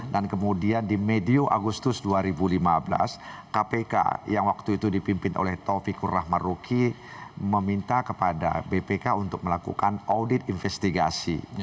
dan kemudian di mediu agustus dua ribu lima belas kpk yang waktu itu dipimpin oleh taufikur rahmaruki meminta kepada bpk untuk melakukan audit investigasi